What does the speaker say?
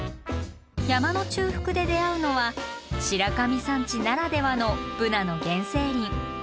山の中腹で出会うのは白神山地ならではのブナの原生林。